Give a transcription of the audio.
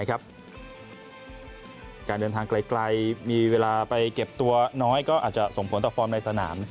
การเดินทางไกลมีเวลาไปเก็บตัวน้อยก็อาจจะส่งผลต่อฟอร์มในสนาม